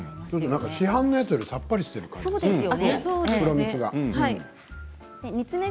市販のやつよりさっぱりしている黒蜜が。